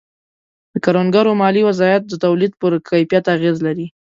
د کروندګرو مالي وضعیت د تولید پر کیفیت اغېز لري.